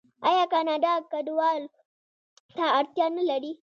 آیا کاناډا کډوالو ته اړتیا نلري؟